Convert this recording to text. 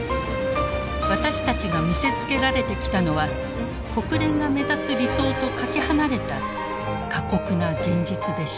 私たちが見せつけられてきたのは国連が目指す「理想」とかけ離れた過酷な「現実」でした。